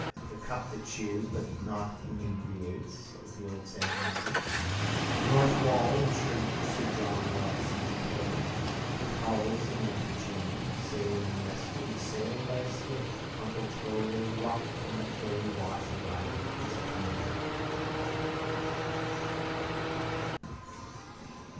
The cup that cheers but not inebriates, as the old saying has it. North wall and sir John Rogerson's quay, with hulls and anchorchains, sailing westward, sailed by a skiff, a crumpled throwaway, rocked on the ferrywash, Elijah is coming.